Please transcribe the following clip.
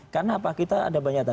karena pak kita ada banyata